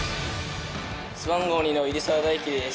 背番号２の入澤大耀です。